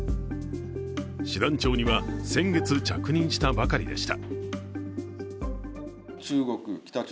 師団長には先月着任したばかりでした。